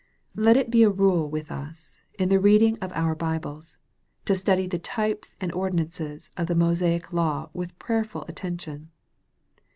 Let it be a rule with us, in the reading of our Bibles, to study the types and ordinances of the Mosaic law with prayerful attention.